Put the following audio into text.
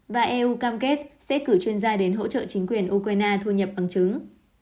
và eu cam kết sẽ cử chuyên gia đến hỗ trợ chính quyền ukraine thu nhập bằng chứng